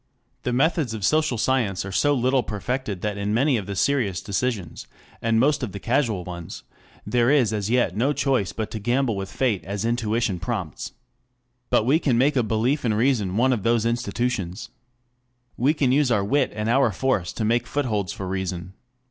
The methods of social science are so little perfected that in many of the serious decisions and most of the casual ones, there is as yet no choice but to gamble with fate as intuition prompts. But we can make a belief in reason one of those intuitions. We can use our wit and our force to make footholds for reason.